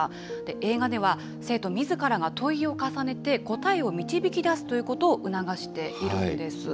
映画では生徒みずからが問いを重ねて、答えを導き出すということを促しているんです。